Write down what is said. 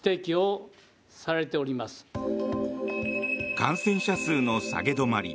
感染者数の下げ止まり。